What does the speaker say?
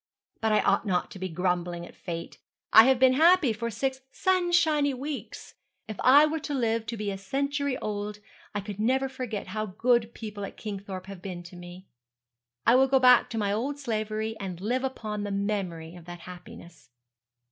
But I ought not to be grumbling at fate. I have been happy for six sunshiny weeks. If I were to live to be a century old, I could never forget how good people at Kingthorpe have been to me. I will go back to my old slavery, and live upon the memory of that happiness.'